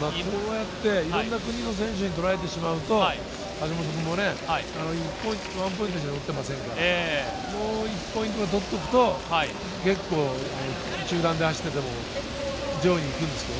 こうやっていろんな国の選手に取られてしまうと橋本君もね、１ポイントしか取っていませんから、もう１ポイント取っておくと、結構中段で走っていても上位に行くんですけどね。